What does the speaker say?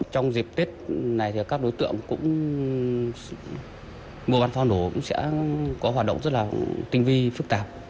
trong dịp tết này thì các đối tượng cũng mua bán pháo nổ cũng sẽ có hoạt động rất là tinh vi phức tạp